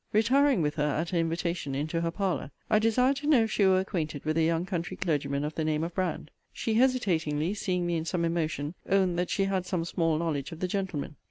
Retiring with her, at her invitation, into her parlour, I desired to know if she were acquainted with a young country clergyman of the name of Brand. She hesitatingly, seeing me in some emotion, owned that she had some small knowledge of the gentleman.